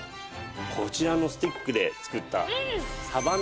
こちらのスティックで作ったさばの味噌煮。